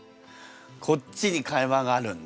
こっちに会話があるんだ？